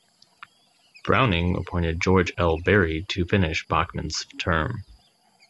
Browning appointed George L. Berry to finish Bachman's term.